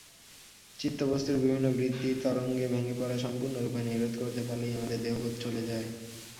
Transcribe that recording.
চিত্তবস্তুর বিভিন্ন বৃত্তি-তরঙ্গে ভেঙে পড়া সম্পূর্ণরূপে নিরোধ করতে পারলেই আমাদের দেহবোধ চলে যায়।